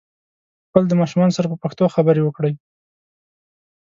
خپل د ماشومانو سره په پښتو خبري وکړئ